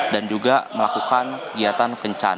dan juga melakukan kegiatan pencan